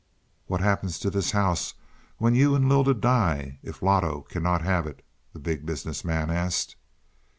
"What happens to this house when you and Lylda die, if Loto cannot have it?" the Big Business Man asked.